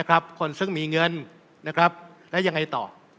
คนซึ่งมีเงินแล้วยังไงต่อ